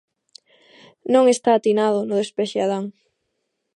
Non está atinado no despexe Adan.